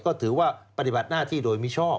ก็ถือว่าปฏิบัติหน้าที่โดยมิชอบ